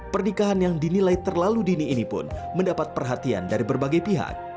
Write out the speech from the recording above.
pernikahan yang dinilai terlalu dini ini pun mendapat perhatian dari berbagai pihak